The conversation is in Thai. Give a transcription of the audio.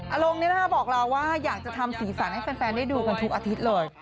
อารมณ์นี้บอกเราว่าอยากจะทำศีรษะให้แฟนได้ดูกันทุกอาทิตย์เลย